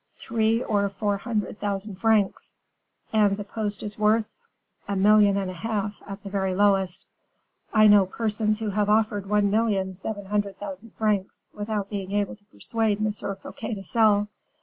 "Three or four hundred thousand francs." "And the post is worth " "A million and a half, at the very lowest. I know persons who have offered one million seven hundred thousand francs, without being able to persuade M. Fouquet to sell.